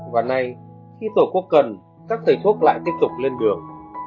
và nay khi tổ quốc cần các thầy thuốc lại tiếp tục lên đường